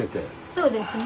そうですね。